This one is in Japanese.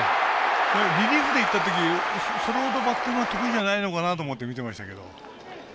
リリーフでいったときそれほどバッティングが得意じゃないのかなと思って見てましたけど。